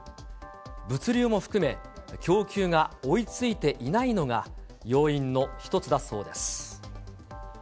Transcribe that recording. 物流も含め、供給が追いついていないのが要因の一つだそうです。